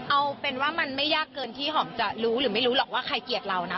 เอาเป็นว่ามันไม่ยากเกินที่หอมจะรู้หรือไม่รู้หรอกว่าใครเกลียดเรานะ